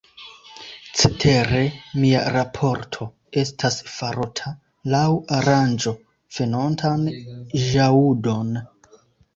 Cetere, mia raporto estas farota laŭ aranĝo venontan ĵaŭdon.